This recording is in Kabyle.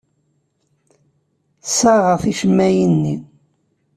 Ssaɣeɣ ticemmaɛin-nni.